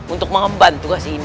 untuk mengembal tugas ini